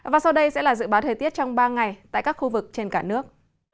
và sau đây sẽ là dự báo thời tiết trong ba ngày tại các khu vực trên cả nước